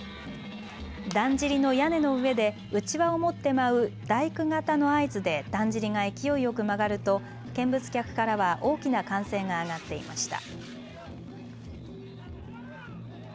だんじりの屋根の上でうちわを持って舞う大工方の合図でだんじりが勢いよく曲がると見物客からは大きな歓声が上がっていました。